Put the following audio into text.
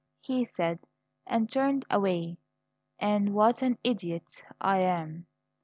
he said, and turned away. "And what an idiot I am!"